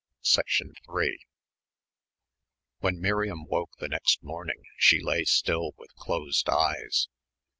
3 When Miriam woke the next morning she lay still with closed eyes.